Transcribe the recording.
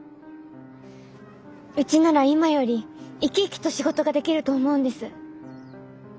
うちなら今より生き生きと仕事ができると思うんです。